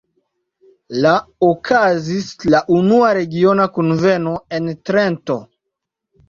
La okazis la unua regiona kunveno en Trento.